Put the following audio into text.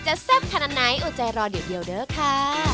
แซ่บขนาดไหนอดใจรอเดี๋ยวเด้อค่ะ